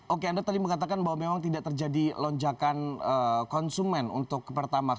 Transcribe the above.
oke anda tadi mengatakan bahwa memang tidak terjadi lonjakan konsumen untuk pertamax